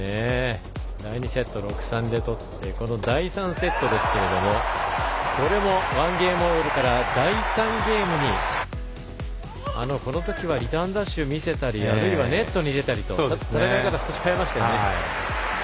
第２セット６−３で取ってこの第３セットはこれも１ゲームオールから第３ゲームに、この時はリターンダッシュを見せたりあるいはネットに入れたりと戦い方を変えましたね。